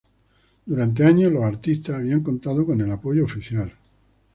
Durante años, los artistas habían contado con el apoyo oficial.